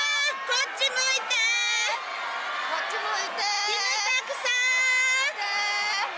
こっち向いてー！